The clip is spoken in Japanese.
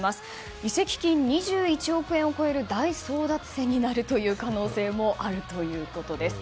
移籍金２１億円を超える大争奪戦になるという可能性もあるということです。